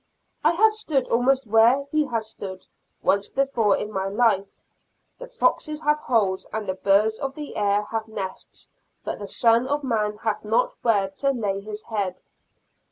I have stood almost where He has stood, once before in my life. "The foxes have holes, and the birds of the air have nests, but the Son of man hath not where to lay his head."